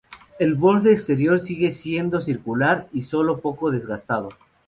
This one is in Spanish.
El borde exterior sigue siendo circular y solo un poco desgastado.